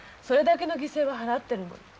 それだけの犠牲は払ってるもの。